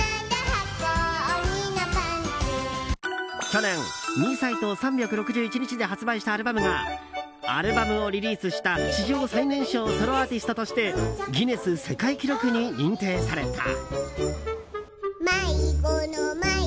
去年、２歳と３６１日で発売したアルバムがアルバムをリリースした史上最年少ソロアーティストとしてギネス世界記録に認定された。